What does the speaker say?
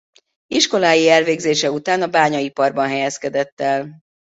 Iskolái elvégzése után a bányaiparban helyezkedett el.